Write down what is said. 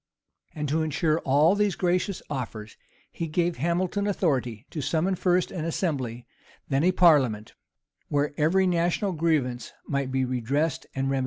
[] And to insure all these gracious offers, he gave Hamilton authority to summon first an assembly, then a parliament, where every national grievance might be redressed and remedied.